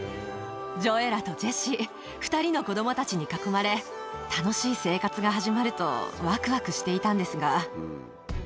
ジョエラとジェシー、２人の子どもたちに囲まれ、楽しい生活が始まるとわくわくしていたんですが。